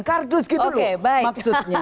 kardus gitu loh maksudnya oke baik